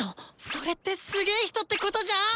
それってすげー人ってことじゃ⁉